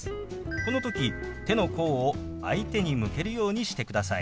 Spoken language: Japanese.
この時手の甲を相手に向けるようにしてください。